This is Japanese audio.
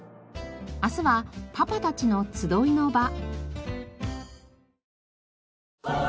明日はパパたちの集いの場。